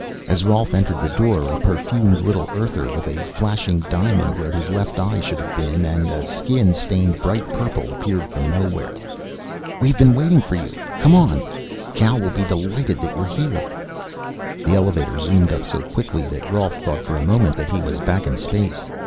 As Rolf entered the door, a perfumed little Earther with a flashing diamond where his left eye should have been and a skin stained bright purple appeared from nowhere. "We've been waiting for you. Come on; Kal will be delighted that you're here." The elevator zoomed up so quickly that Rolf thought for a moment that he was back in space.